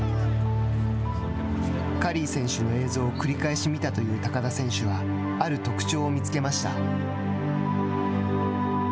カリー選手の映像を繰り返し見たという高田選手はある特徴を見つけました。